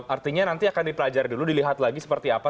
artinya nanti akan dipelajari dulu dilihat lagi seperti apa